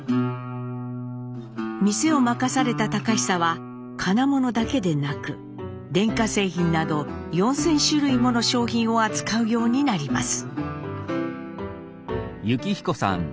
店を任された隆久は金物だけでなく電化製品など４，０００種類もの商品を扱うようになります。